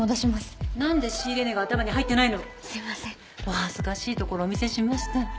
お恥ずかしいところお見せしました